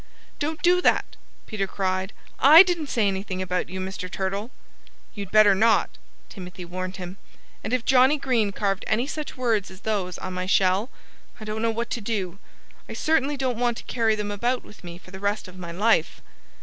"Don't do that!" Peter cried. "I didn't say anything about you, Mr. Turtle." "You'd better not," Timothy warned him. "And if Johnnie Green carved any such words as those on my shell I don't know what to do. I certainly don't want to carry them about with me for the rest of my life."